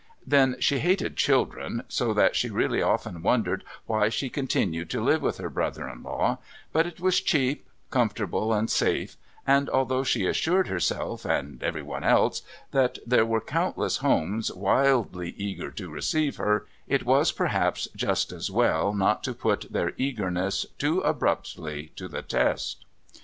Then she hated children, so that she really often wondered why she continued to live with her brother in law, but it was cheap, comfortable and safe, and although she assured herself and everyone else that there were countless homes wildly eager to receive her, it was perhaps just as well not to put their eagerness too abruptly to the test.